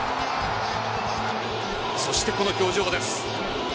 そして、この表情です。